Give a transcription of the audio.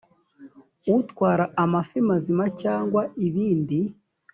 utwara amafi mazima cyangwa ibindi